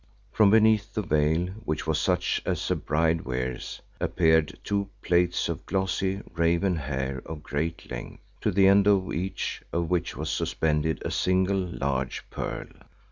From beneath the veil, which was such as a bride wears, appeared two plaits of glossy, raven hair of great length, to the end of each of which was suspended a single large pearl.